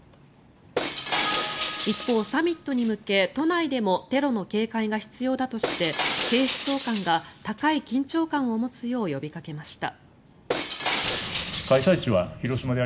一方、サミットに向け都内でもテロの警戒が必要だとして警視総監が高い緊張感を持つよう呼びかけました。